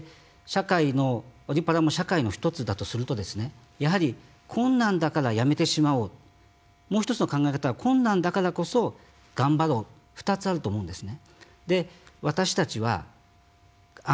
オリパラも社会の１つだとするとやはり困難だからやめてしまおうもう一つの考え方は困難だからこそ頑張ろう２つあると思うんですね。